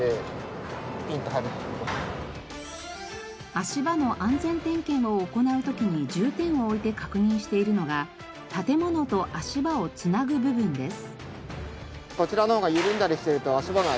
足場の安全点検を行う時に重点を置いて確認しているのが建物と足場を繋ぐ部分です。